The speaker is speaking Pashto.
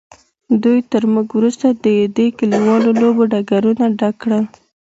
دوی تر موږ وروسته د دې کلیوالو لوبو ډګرونه ډک کړل.